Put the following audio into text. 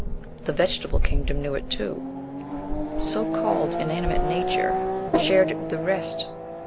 The Vegetable Kingdom knew it too. So called inanimate nature shared it with the rest.